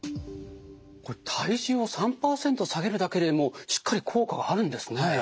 これ体重を３％下げるだけでもしっかり効果があるんですね。